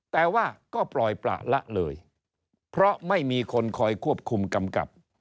แต่ว่าก็ปล่อยประละเลยเพราะไม่มีคนคอยควบคุมกำกับ